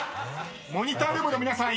［モニタールームの皆さん